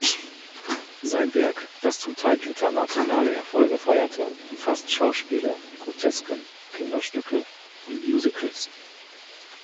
Sein Werk, das zum Teil internationale Erfolge feierte, umfasst Schauspiele, Grotesken, Kinderstücke und Musicals.